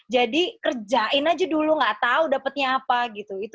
jadi kerjain aja dulu nggak tahu dapatnya apa gitu